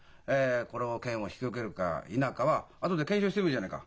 この件を引き受けるか否かはあとで検証してみようじゃないか。